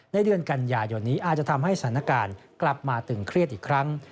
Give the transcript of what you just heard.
เดือนกันยายนนี้อาจจะทำให้สถานการณ์กลับมาตึงเครียดอีกครั้ง